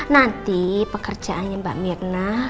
nanti pekerjaannya mbak mirna